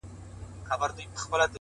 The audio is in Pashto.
گوره خندا مه كوه مړ به مي كړې،